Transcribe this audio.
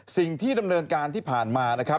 สิ่งที่ดำเนินการที่ผ่านมา